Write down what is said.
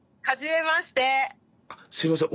あっすいません。